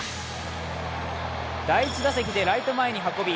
第１打席でライト前に運び